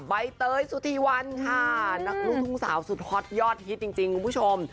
ใบเตยสุธีวันค่ะนักลูกทุ่งสาวสุดฮอตยอดฮิตจริงคุณผู้ชม